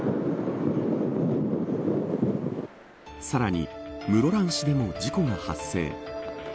さらに室蘭市でも事故が発生。